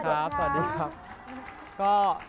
สวัสดีครับ